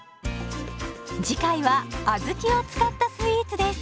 次回は小豆を使ったスイーツです。